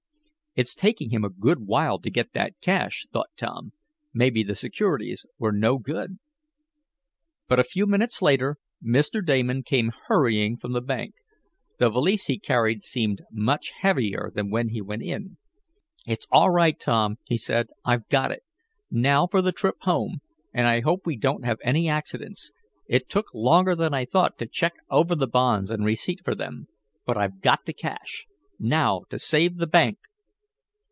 "It's taking him a good while to get that cash," thought Tom. "Maybe the securities were no good." But, a few minutes later, Mr. Damon came hurrying from the bank. The valise he carried seemed much heavier than when he went in. "It's all right, Tom," he said. "I've got it. Now for the trip home, and I hope we don't have any accidents. It took longer than I thought to check over the bonds and receipt for them. But I've got the cash. Now to save the bank!"